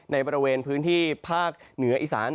ในบริเวณพื้นที่ภาคเหนืออีสาน